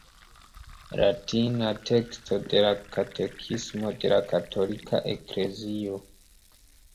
Latina teksto de la katekismo de la katolika eklezio.